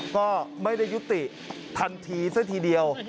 ก็ไม่ได้ยุติทันทีซะทีเดียว